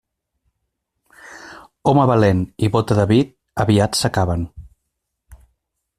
Home valent i bóta de vi, aviat s'acaben.